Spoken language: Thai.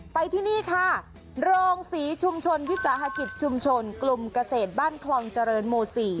ไปที่นี่ค่ะโรงศรีชุมชนวิสาหกิจชุมชนกลุ่มเกษตรบ้านคลองเจริญหมู่๔